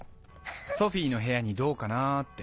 ソフィーの部屋にどうかなぁって。